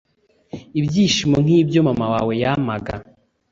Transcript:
ibyishimo nkibyo mama wawe yampaga